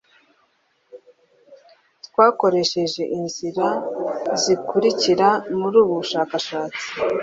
twakoresheje inzira zikurikira muri ubu bushakashatsi